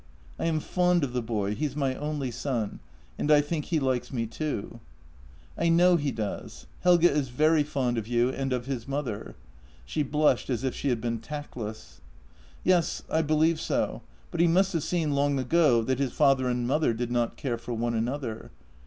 " I am fond of the boy — he's my only son — and I think he likes me too." " I know he does. Helge is very fond of you and of his mother." She blushed as if she had been tactless. " Yes, I believe so; but he must have seen long ago that his father and mother did not care for one another.